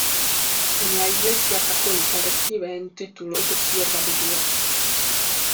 En la Iglesia católica recibe en título de sierva de Dios.